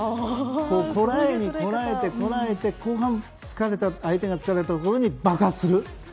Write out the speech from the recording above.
こらえにこらえて後半相手が疲れたところで爆発する！